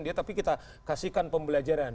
dia tapi kita kasihkan pembelajaran